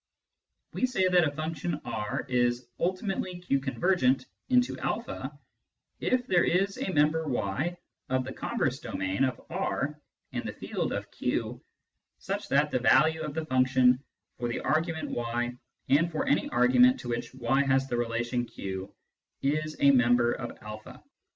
We say that a function R is " ultimately Q convergent into a " if there is a member y of the converse domain of R and the field of Q such that the value of the function for the argument y and for any argument to which y has ,the relation Q is a member of a.